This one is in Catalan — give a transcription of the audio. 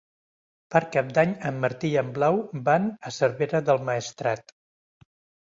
Per Cap d'Any en Martí i na Blau van a Cervera del Maestrat.